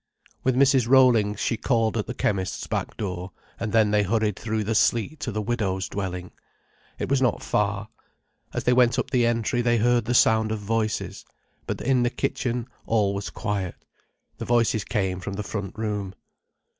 With Mrs. Rollings she called at the chemist's back door, and then they hurried through the sleet to the widow's dwelling. It was not far. As they went up the entry they heard the sound of voices. But in the kitchen all was quiet. The voices came from the front room.